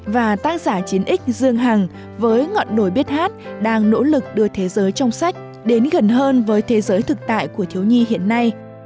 và tác giả chiến x dương hằng với ngọn đồi bếp hát đang nỗ lực đưa thế giới trong sách đến gần hơn với thế giới thực tại của thiếu nhi hiện nay